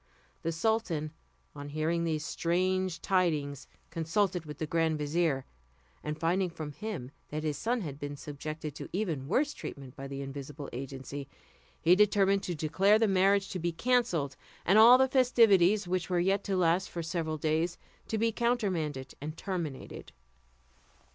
The sultan, on hearing these strange tidings, consulted with the grand vizier; and finding from him that his son had been subjected to even worse treatment by an invisible agency, he determined to declare the marriage to be cancelled, and all the festivities, which were yet to last for several days, to be countermanded and terminated.